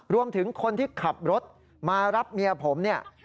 รวมถึงคนที่ขับรถมารับเมียผมเนี่ย